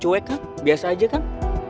cuek kan biasa aja kan